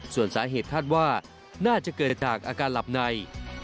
ส่วนสาเหตุคาดว่าน่าจะเกิดจากอาการหลับใน